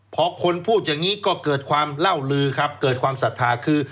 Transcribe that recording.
พอคนพูดอย่างนี้ก็เกิดความเล่าลือครับเกิดความศรัทธาคือ